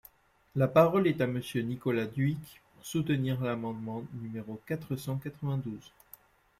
La parole est à Monsieur Nicolas Dhuicq, pour soutenir l’amendement numéro quatre cent quatre-vingt-douze.